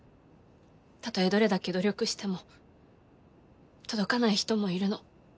たとえどれだけ努力しても届かない人もいるの。